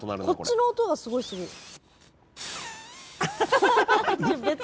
こっちの音がすごいする。